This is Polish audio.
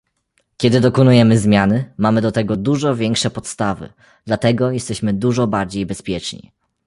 Kiedy dokonujemy zmiany, mamy do tego dużo większe podstawy, dlatego jesteśmy dużo bardziej bezpieczni